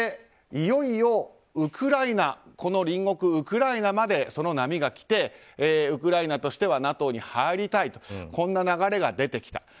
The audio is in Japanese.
いよいよ、隣国ウクライナまでその波が来てウクライナとしてはＮＡＴＯに入りたいとこんな流れが出てきた。